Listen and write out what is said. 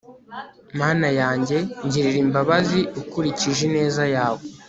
mana yanjye, ngirira imbabazi ukurikije ineza yawe